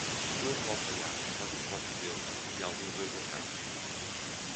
Todo alfaiate faz o corte dele e alguns dois atrás.